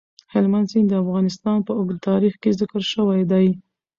هلمند سیند د افغانستان په اوږده تاریخ کې ذکر شوی دی.